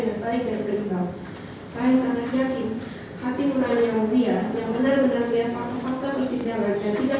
untuk meyakinkan yang mulia kalau saya tidak bersalah